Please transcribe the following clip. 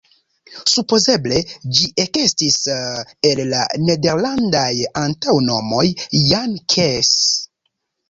Supozeble ĝi ekestis el la nederlandaj antaŭnomoj "Jan-Kees".